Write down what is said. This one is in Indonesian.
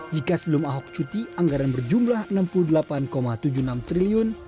jika sebelum ahok cuti anggaran berjumlah rp enam puluh delapan tujuh puluh enam triliun